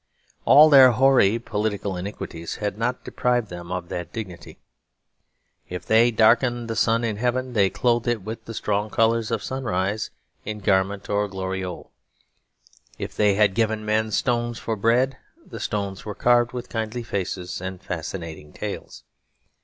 All their hoary political iniquities had not deprived them of that dignity. If they darkened the sun in heaven, they clothed it with the strong colours of sunrise in garment or gloriole; if they had given men stones for bread, the stones were carved with kindly faces and fascinating tales.